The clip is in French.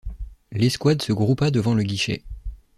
L’escouade se groupa devant le guichet.